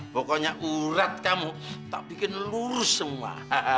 pokoknya urat kamu tak bikin lurus semua